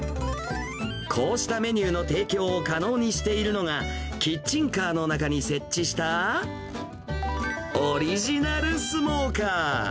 こうしたメニューの提供を可能にしているのが、キッチンカーの中に設置したオリジナルスモーカー。